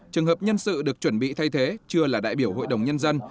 trường hợp nhân sự được chuẩn bị thay thế chưa là đại biểu hội đồng nhân dân